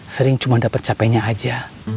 sering cuma dapat capeknya aja